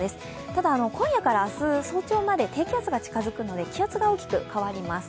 ただ今夜から明日早朝まで低気圧が近づくので気圧が大きく変わります。